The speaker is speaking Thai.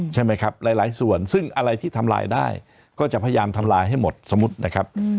ใช่ไหมครับหลายส่วนซึ่งอะไรที่ทำลายได้ก็จะพยายามทำลายให้หมดสมมุตินะครับ